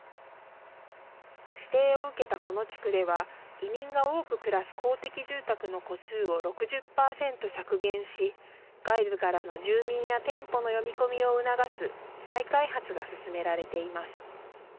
指定を受けたこの地区では移民が多く暮らす公的住宅の戸数を６０％削減し外部からの住民や店舗の呼び込みを促す再開発が進められています。